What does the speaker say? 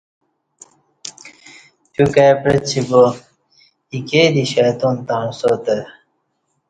تیو کائی پعچی با ایکے دی شیطان تݩع ساتہ